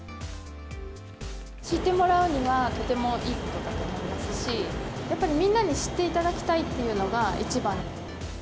知ってもらうには、とてもいいことだと思いますし、やっぱりみんなに知っていただきたいっていうのが一番。